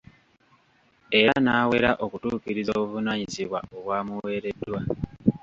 Era n'awera okutuukiriza obuvunaanyizibwa obwamuwereddwa.